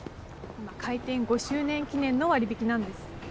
今開店５周年記念の割引なんです。